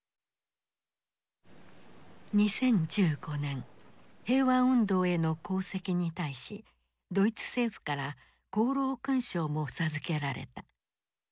２０１５年平和運動への功績に対しドイツ政府から功労勲章も授けられた。